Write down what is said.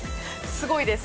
すごいです。